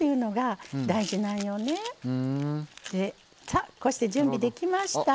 さあこうして準備できました。